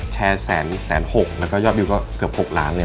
แชร์แสนหกแล้วก็ยอดวิวก็เกือบ๖ล้านเลย